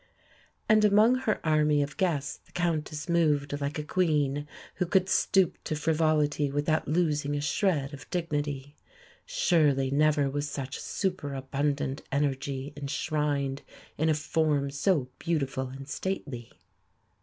And among her army of guests the Countess moved like a Queen, who could stoop to frivolity without losing a shred of dignity. Surely never was such superabundant energy enshrined in a form so beautiful and stately.